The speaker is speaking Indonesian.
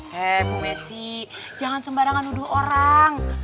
hei bu messi jangan sembarangan nuduh orang